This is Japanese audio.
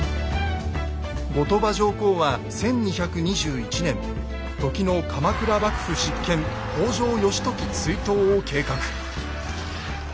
後鳥羽上皇は１２２１年時の鎌倉幕府執権北条義時追討を計画。